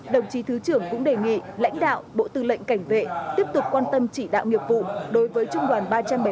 đồng chí thứ trưởng cũng đề nghị lãnh đạo bộ tư lệnh cảnh vệ tiếp tục quan tâm chỉ đạo nghiệp vụ đối với trung đoàn ba trăm bảy mươi bảy